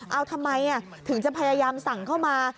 เอาทำไมถึงจะพยายามสั่งเข้ามา